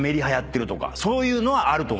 そういうのはあると思います。